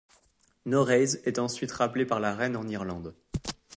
Norreys est ensuite rappelé par la reine en Irlande.